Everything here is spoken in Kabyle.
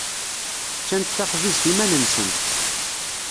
Ččant taxbizt iman-nsent.